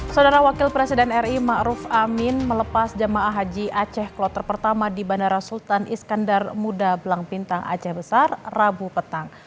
saudara wakil presiden ri ⁇ maruf ⁇ amin melepas jemaah haji aceh kloter pertama di bandara sultan iskandar muda belang bintang aceh besar rabu petang